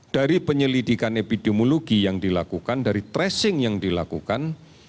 dari penyelidikan epidemiologi yang dilakukan dari tracing yang dilakukan